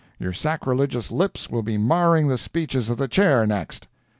Your sacrilegious lips will be marring the speeches of the Chair, next."